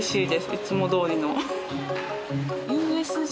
いつもどおりの。